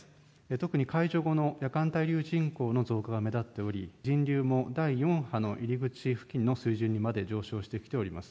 特に解除後の夜間滞留人口の増加が目立っており、人流も第４波の入り口付近の水準にまで上昇してきております。